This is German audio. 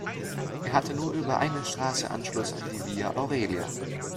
Er hatte nur über eine Straße Anschluss an die Via Aurelia.